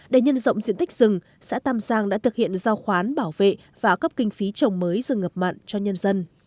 để nhân rộng diện tích rừng xã tam giang đã thực hiện giao khoán bảo vệ và cấp kinh phí trồng mới rừng ngập mặn cho nhân dân